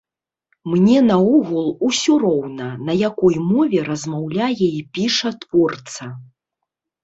Мне, наогул, усё роўна, на якой мове размаўляе і піша творца.